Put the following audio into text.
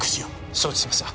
承知しました。